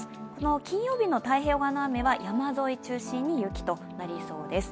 金曜日の太平洋側の雨は山沿い中心に雪となりそうです。